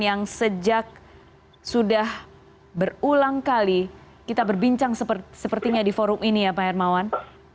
yang sejak sudah berulang kali kita berbincang sepertinya di forum ini ya pak hermawan